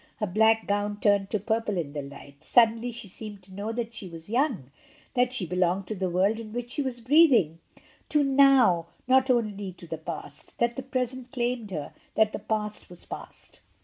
Her black gown turned to purple in the light. Suddenly she seemed to know that she was young, that she belonged to the world in which she was breathing, to noWy not only to the past; that the present claimed her, that the past was past.